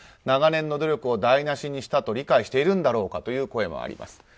長年の努力を台無しにしたと理解しているのだろうかという声もあります。